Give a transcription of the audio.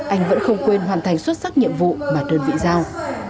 anh vẫn không quên hoàn thành xuất sắc nhiệm vụ mà đơn vị giao